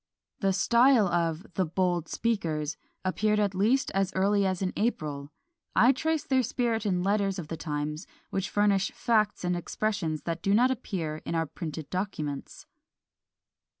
The style of "the bold speakers" appeared at least as early as in April; I trace their spirit in letters of the times, which furnish facts and expressions that do not appear in our printed documents.